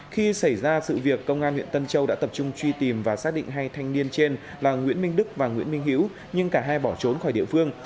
khi xảy ra sự việc công an huyện tân châu đã tập trung truy tìm và xác định hai thanh niên trên là nguyễn minh đức và nguyễn minh hiễu nhưng cả hai bỏ trốn khỏi địa phương